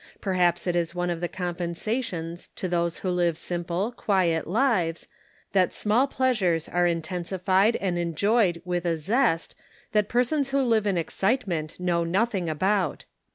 Perhaps it is one of the compensations to those who live simple, quiet lives, that small pleasures are intensified and enjoyed with a zest that persons who live in excitement know nothing about.